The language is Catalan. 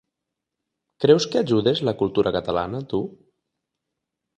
Creus que ajudes la cultura catalana, tu?